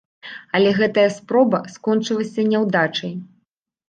Але гэтая спроба скончылася няўдачай.